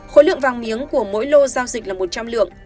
khối lượng vàng miếng của mỗi lô giao dịch là một trăm linh lượng